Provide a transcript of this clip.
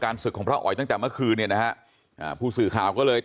การศึกของพระออยตั้งจากเมื่อคืนนะฮะผู้สื่อข่าวก็เลย